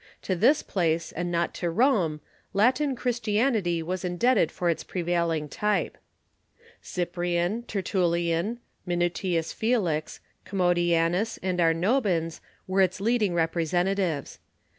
To this place, and not to Rome, Latin 38 THE EARLY CHUKCII Christianity was indebted for its prevailing type. Cyprian, Tertullian, Minutius Felix, Comraodianus, and Ar Schooi of iiobius were its leading representatives.